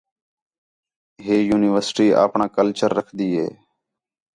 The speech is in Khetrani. ہِے یونیورسٹی اپݨاں کلچر رکھدی ہِے